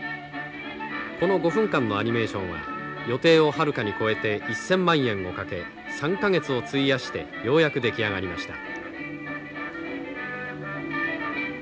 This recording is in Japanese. この５分間のアニメーションは予定をはるかに超えて１，０００万円をかけ３か月を費やしてようやく出来上がりました。